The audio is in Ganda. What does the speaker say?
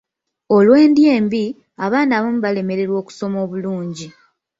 Olw'endya embi, abaana abamu balemererwa okusoma obulungi.